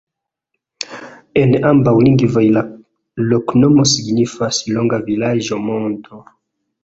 En ambaŭ lingvoj la loknomo signifas: longa vilaĝo-monto.